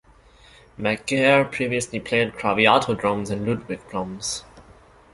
Mcgerr previously played Craviotto drums and Ludwig Drums.